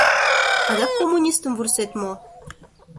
— Адак коммунистым вурсет мо?